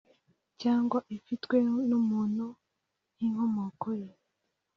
cyangwa ifitwe n umuntu nk ikomoko ye